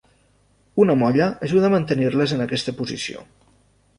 Una molla ajuda a mantenir-les en aquesta posició.